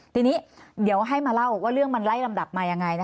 ทีนี้เดี๋ยวให้มาเล่าว่าเรื่องมันไล่ลำดับมายังไง